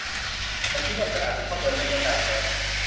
ฉันคิดว่าเธออาจจะชอบเดินเล่นและการแชท